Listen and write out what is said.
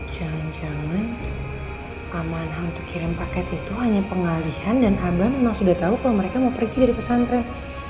jangan jangan amanah untuk kirim paket itu hanya pengalihan dan abah memang sudah tahu kalau mereka mau pergi dari pesantren